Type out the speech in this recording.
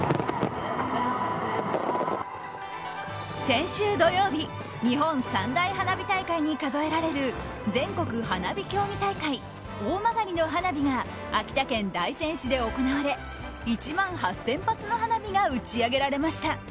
先週土曜日日本三大花火大会に数えられる全国花火競技大会「大曲の花火」が秋田県大仙市で行われ１万８０００発の花火が打ち上げられました。